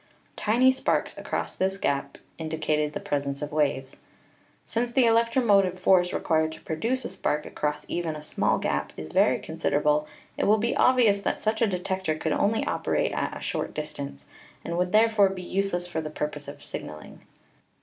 Tiny sparks across this gap indicated the presence of waves. Since the electro motive force required to produce a spark across even a small gap is very considerable, it will be obvious that such a detector could only operate at a short distance, and would, therefore, be useless for the purpose of sig naling.